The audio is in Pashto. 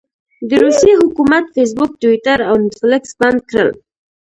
د روسيې حکومت فیسبوک، ټویټر او نیټفلکس بند کړل.